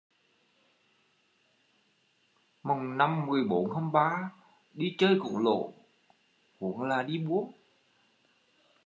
Mồng năm mười bốn hăm ba, đi chơi cũng lỗ huống là đi buôn